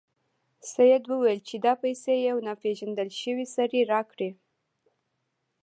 سید وویل چې دا پیسې یو ناپيژندل شوي سړي راکړې.